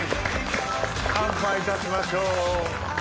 乾杯いたしましょう。